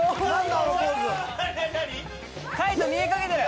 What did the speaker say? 海人見えかけてる！